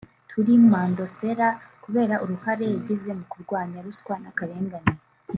Thuli Mandosela kubera uruhare yagize mu kurwanya ruswa n’akarengane